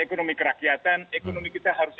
ekonomi kerakyatan ekonomi kita harus